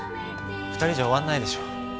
２人じゃ終わんないでしょ。